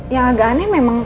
yang agak aneh memang